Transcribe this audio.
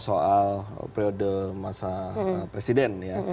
kita bahas soal periode masa presiden ya